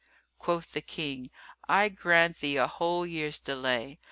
Quoth the King, "I grant thee a whole year's delay."